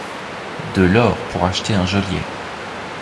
De l’or, pour acheter un geôlier!